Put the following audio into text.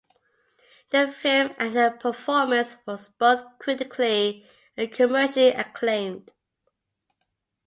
The film and her performance was both critically and commercially acclaimed.